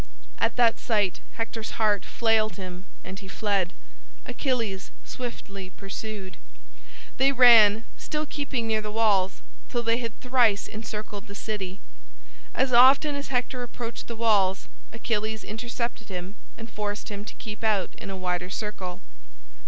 At that sight Hector's heart failed him and he fled. Achilles swiftly pursued. They ran, still keeping near the walls, till they had thrice encircled the city. As often as Hector approached the walls Achilles intercepted him and forced him to keep out in a wider circle.